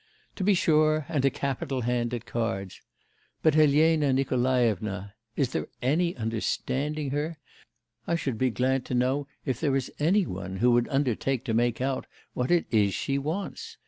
'To be sure, and a capital hand at cards. But Elena Nikolaevna.... Is there any understanding her? I should be glad to know if there is any one who would undertake to make out what it is she wants.